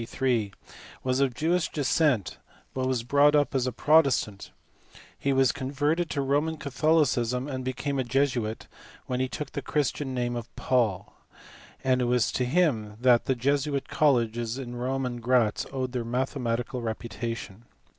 3, 1643, was of Jewish descent but was brought up as a protestant: he was converted to Roman Catholicism and became a Jesuit when he took the Christian name of Paul, and it was to him that the Jesuit colleges at Rome and Gratz owed their mathematical reputa tion.